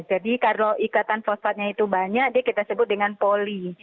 jadi kalau ikatan fosfatnya itu banyak dia kita sebut dengan poli